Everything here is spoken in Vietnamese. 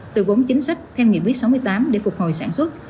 từ vốn chính sách theo nhiệm viết sáu mươi tám để phục hồi sản xuất